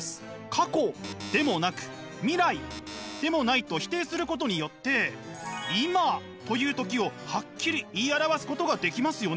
過去でもなく未来でもないと否定することによって「今」という時をハッキリ言い表すことができますよね。